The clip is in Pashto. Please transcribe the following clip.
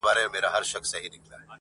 چي پر ما باندي یې سیوری کله لویږي-